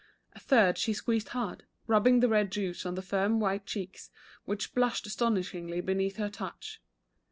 A third she squeezed hard, rubbing the red juice on the firm white cheeks, which blushed astonishingly beneath her touch.